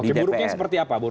oke buruknya seperti apa